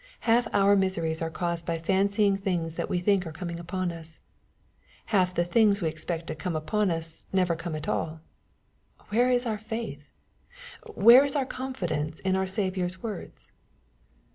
Half our miseries are caused by fancying things that we think are coming upon us. Half the things that we expect to come upon us, never come at all. Where is our faith ? Where is our confidence in our Saviour's words